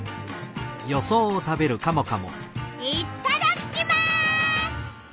いっただっきます！